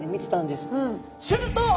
すると！